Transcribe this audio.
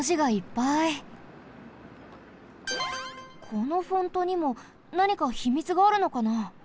このフォントにもなにかひみつがあるのかな？